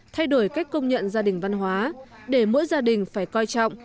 thay đổi cách công nhận gia đình văn hóa để mỗi gia đình phải coi trọng